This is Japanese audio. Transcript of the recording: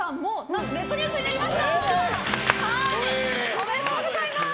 おめでとうございます。